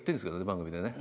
番組でね。